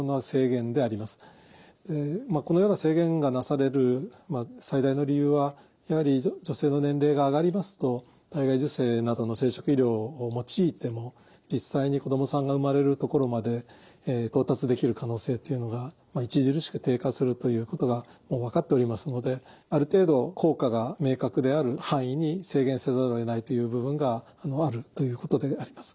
このような制限がなされる最大の理由はやはり女性の年齢が上がりますと体外受精などの生殖医療を用いても実際に子どもさんが生まれるところまで到達できる可能性というのが著しく低下するということがもう分かっておりますのである程度効果が明確である範囲に制限せざるをえないという部分があるということであります。